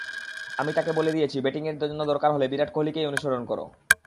আমি তাকে বলে দিয়েছি ব্যাটিংয়ের জন্য দরকার হলে বিরাট কোহলিকেই অনুসরণ করো।